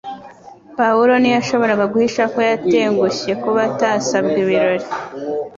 Pawulo ntiyashoboraga guhisha ko yatengushye kuba atasabwe ibirori